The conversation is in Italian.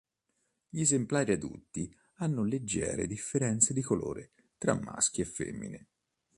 Gli esemplari adulti hanno leggere differenze di colore tra maschi e femmine.